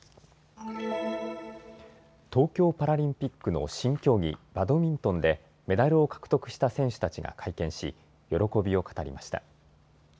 東京パラリンピックの新競技、バドミントンでメダルを獲得した選手たちが会見し、喜びを語りました。